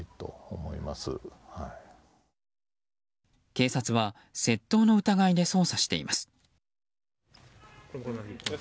警察は窃盗の疑いで捜査しています。